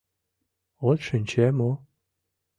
— От шинче мо?